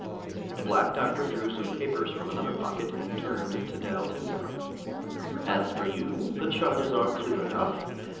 The Black Doctor drew some papers from another pocket and turned to Dal Timgar. "As for you, the charges are clear enough.